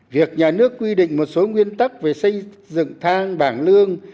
việc nhà nước quy định một số nguyên tắc về xây dựng thang bảng lương